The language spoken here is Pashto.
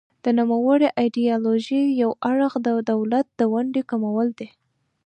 د نوموړې ایډیالوژۍ یو اړخ د دولت د ونډې کمول دي.